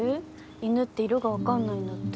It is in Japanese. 犬って色が分かんないんだって。